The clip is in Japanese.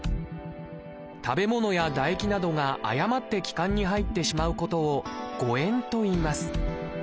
食べ物や唾液などが誤って気管に入ってしまうことを「誤えん」といいます。